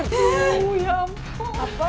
tuh ya ampun